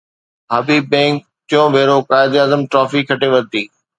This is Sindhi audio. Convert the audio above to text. حبيب بئنڪ ٽيون ڀيرو قائداعظم ٽرافي کٽي ورتي